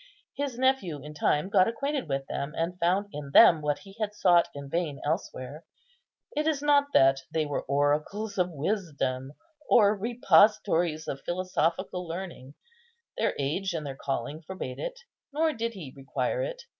His nephew in time got acquainted with them, and found in them what he had sought in vain elsewhere. It is not that they were oracles of wisdom or repositories of philosophical learning; their age and their calling forbade it, nor did he require it.